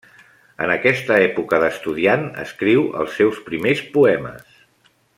En aquesta època d'estudiant escriu els seus primers poemes.